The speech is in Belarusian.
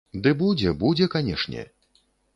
Ды будзе, будзе, канешне.